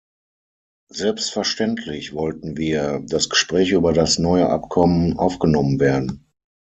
Selbstverständlich wollten wir, dass Gespräche über das neue Abkommen aufgenommen werden.